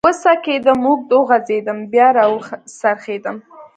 و څکېدم، اوږد وغځېدم، بیا را و څرخېدم.